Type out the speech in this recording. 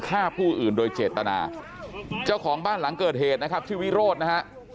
ฆ่าผู้อื่นโดยเจตนาเจ้าของบ้านหลังเกิดเหตุนะครับชื่อวิโรธนะฮะ